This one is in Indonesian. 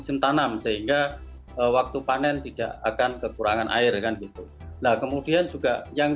mesin tanam sehingga waktu panen tidak akan kekurangan air kan gitu nah kemudian juga yang